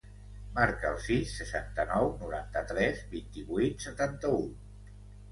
Marca el sis, seixanta-nou, noranta-tres, vint-i-vuit, setanta-u.